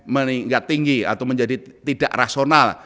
meningkat tinggi atau menjadi tidak rasional